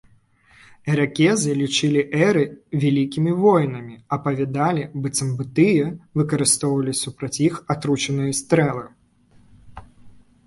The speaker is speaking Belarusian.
Іракезы лічылі эры вялікімі воінамі, апавядалі, быццам бы тыя выкарыстоўвалі супраць іх атручаныя стрэлы.